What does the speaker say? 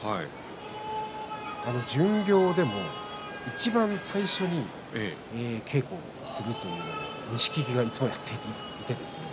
巡業でもいちばん最初に稽古をするという錦木がいつもやっていてですね